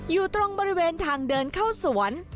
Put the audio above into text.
อยู่ตรงบริเวณทางเดินเข้าสวน